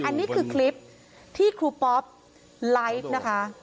อันนี้คือคลิปที่ครูปอ๊อปไลฟ์นะคะ